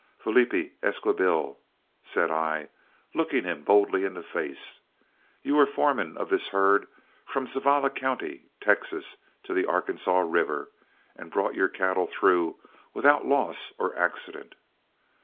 "Felipe Esquibil," said I, looking him boldly in the face, "you were foreman of this herd from Zavalla County, Texas, to the Arkansaw River, and brought your cattle through without loss or accident.